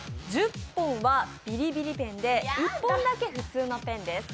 １０本はビリビリペンで１本だけ普通のペンです。